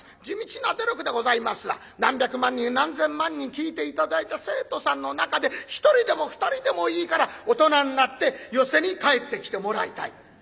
地道な努力でございますが何百万人何千万人聴いて頂いた生徒さんの中で１人でも２人でもいいから大人になって寄席に帰ってきてもらいたい。